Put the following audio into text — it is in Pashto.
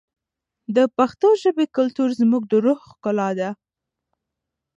د پښتو ژبې کلتور زموږ د روح ښکلا ده.